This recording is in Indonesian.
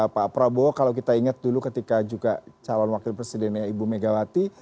pak prabowo kalau kita ingat dulu ketika juga calon wakil presidennya ibu megawati